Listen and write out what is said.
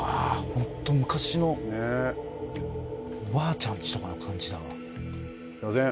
ホンット昔のねえおばあちゃんちとかの感じだわすいません